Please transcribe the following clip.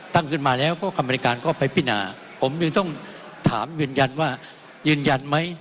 ตั้งขึ้นมาแล้วก็กรรมธิการก็ไปพินาผมยังต้องถามยืนยันว่ายืนยันไหม